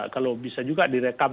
kalau bisa juga direkam